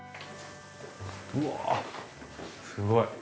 うわぁすごい。